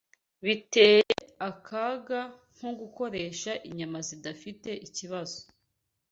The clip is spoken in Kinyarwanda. biteye akaga nko gukoresha inyama zidafite ikibazo